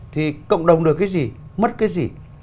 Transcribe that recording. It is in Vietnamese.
thì cộng đồng được cái gì mất cái gì